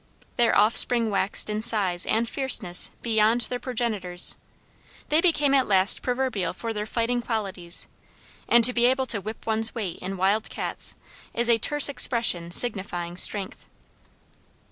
Their offspring waxed in size and fierceness beyond their progenitors. They became at last proverbial for their fighting qualities, and to be able to "whip one's weight in wild cats," is a terse expression signifying strength.